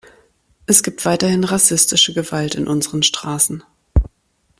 Es gibt weiterhin rassistische Gewalt in unseren Straßen.